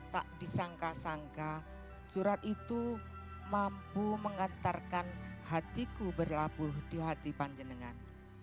tak disangka sangka surat itu mampu mengantarkan hatiku berlabuh di hati panjenengan